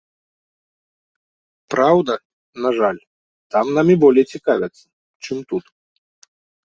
Праўда, на жаль, там намі болей цікавяцца, чым тут.